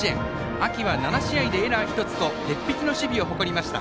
秋は７試合でエラー１つと鉄壁の守備を誇りました。